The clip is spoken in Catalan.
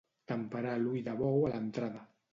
Temperar l'ull de bou a l'entrada.